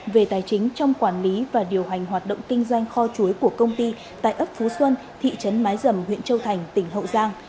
về tài chính trong quản lý và điều hành hoạt động kinh doanh kho chuối của công ty tại ấp phú xuân thị trấn mái dầm huyện châu thành tỉnh hậu giang